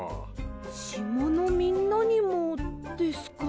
しまのみんなにもですか？